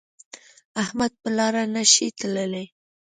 احمد په لاره نشي تللی.